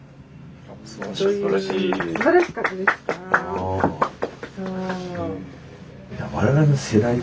すばらしい。